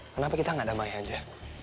kenapa kita nggak damai aja